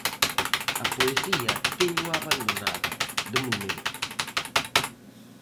A poesía téñoa abandonada, de momento.